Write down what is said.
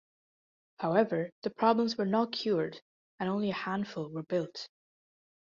However, the problems were not cured, and only a handful were built.